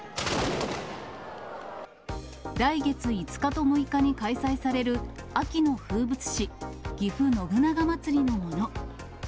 来月５日と６日に開催される秋の風物詩、ぎふ信長まつりのもの。